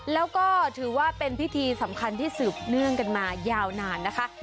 แล้วก็ถือว่าเป็นพิธีสำคัญที่สืบเนื่องกันมายาวนานนะคะ